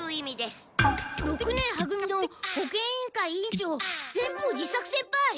六年は組の保健委員会委員長善法寺伊作先輩！